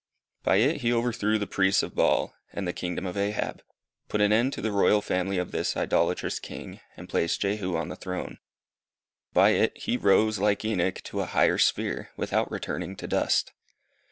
By it he overthrew the priests of Baal, and the kingdom of Ahab; put an end to the royal family of this idolatrous king; and placed Jehu on the throne. By it he rose, like Enoch, to a higher sphere, without returning to dust.